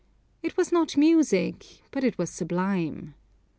It was not music, but it was sublime.